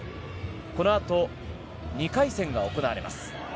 このあと２回戦が行われます。